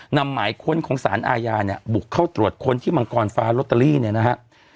หมายค้นของสารอาญาเนี่ยบุกเข้าตรวจค้นที่มังกรฟ้าลอตเตอรี่เนี่ยนะฮะ